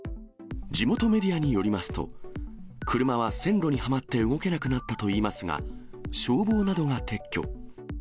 地元メディアによりますと、車は線路にはまって動けなくなったといいますが、消防などが撤去。